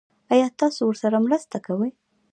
ایا تاسو ورسره مرسته کوئ؟